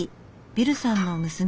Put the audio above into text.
ビルさんの娘